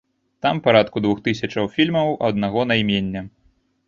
Там парадку двух тысячаў фільмаў аднаго наймення.